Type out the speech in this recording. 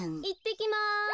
いってきます。